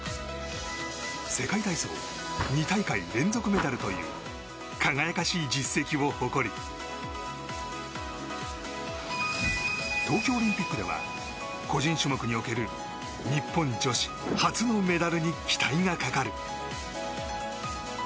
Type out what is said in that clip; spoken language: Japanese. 世界体操２大会連続メダルという輝かしい実績を誇り東京オリンピックでは個人種目における日本女子初のメダルに期待がかかる。